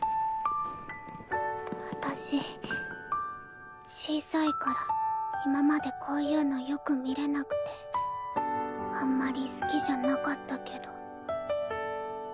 私小さいから今までこういうのよく見れなくてあんまり好きじゃなかったけど。